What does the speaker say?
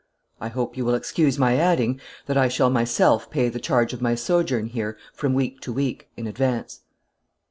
I hope you will excuse my adding, that I shall myself pay the charge of my sojourn here from week to week, in advance."